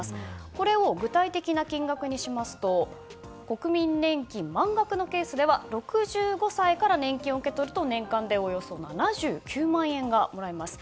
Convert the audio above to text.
これを、具体的な金額にしますと国民年金満額のケースでは６５歳から年金を受け取ると年間でおよそ７９万円がもらえます。